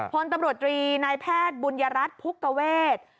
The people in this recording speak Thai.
พรตำรวจรีนายแพทย์บุญญารัฐพุกเกาเวช